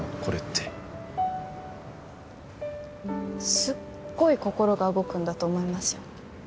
これってすっごい心が動くんだと思いますよ